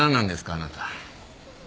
あなた。